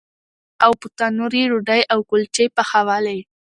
او په تنور یې ډوډۍ او کلچې پخولې.